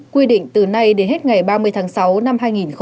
quy định từ nay đến hết ngày ba mươi tháng sáu năm hai nghìn hai mươi